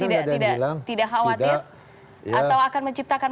tidak atau akan menciptakan